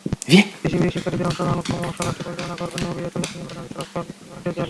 দেশি-বিদেশি শিক্ষার্থীদের অংশগ্রহণে কর্মশালাটি পরিচালনা করবেন নরওয়ের চলচ্চিত্রনির্মাতা নেফিসে ওজকাল লরেন্টজেল।